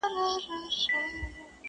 شمع هم د جهاني په غوږ کي وايي؛